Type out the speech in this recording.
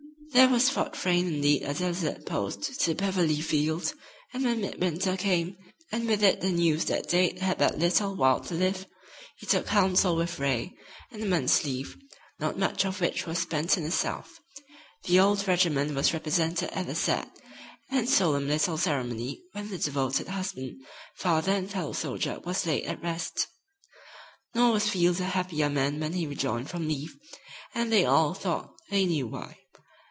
Then was Fort Frayne indeed a desolate post to Beverly Field, and when midwinter came, and with it the news that Dade had but little while to live, he took counsel with Ray, and a month's leave, not much of which was spent in the South. The old regiment was represented at the sad and solemn little ceremony when the devoted husband, father and fellow soldier was laid at rest. Nor was Field a happier man when he rejoined from leave, and they all thought they knew why.